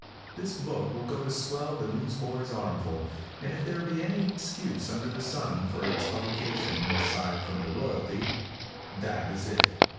This book will go to swell the newsboy's armful, and if there be any excuse, under the sun, for its publication, aside from the royalty; that is it.